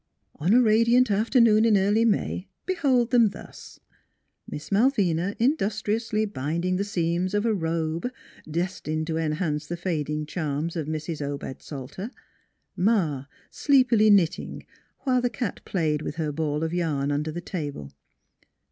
On a radiant afternoon in early May behold them thus: Miss Malvina industriously binding the seams of a " robe " destined to enhance the fading charms of Mrs. Obed Salter; Ma sleepily knitting, while the cat played with her ball of yarn under the table, and M.